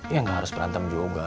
ya nggak harus berantem juga